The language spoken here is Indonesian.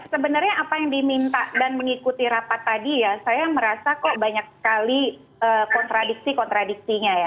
sebenarnya apa yang diminta dan mengikuti rapat tadi ya saya merasa kok banyak sekali kontradiksi kontradiksinya ya